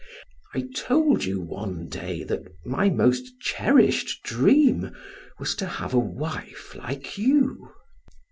I told you one day that my most cherished dream was to have a wife like you."